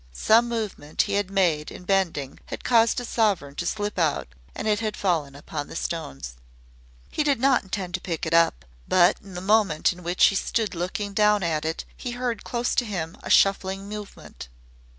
Some movement he had made in bending had caused a sovereign to slip out and it had fallen upon the stones. He did not intend to pick it up, but in the moment in which he stood looking down at it he heard close to him a shuffling movement.